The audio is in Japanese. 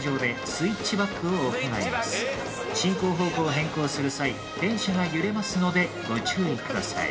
進行方向を変更する際電車が揺れますのでご注意ください。